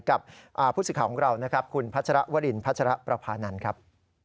กับผู้ศึกข่าวของเราคุณพัชรวรินพัชรประพานันตร์ครับ